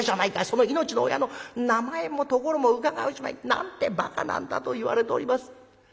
その命の親の名前も所も伺うじまい。なんてバカなんだ』と言われております。